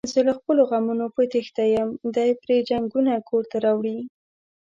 زه له خپلو غمونو په تېښته یم، دی پري جنگونه کورته راوړي.